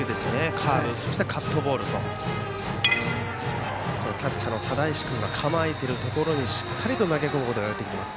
カーブ、そしてカットボールとキャッチャーの只石君が構えているところへしっかりと投げ込めています。